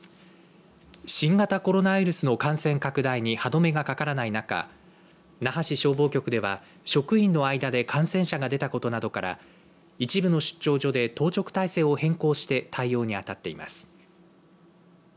新型コロナウイルスの感染拡大に歯止めがかからない中那覇市消防局では職員の間で感染者が出たことなどから一部の出張所で当直体制を変更して対応に当たっています。